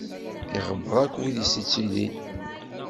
Iɣebbeṛ akk wid i s-yettilin.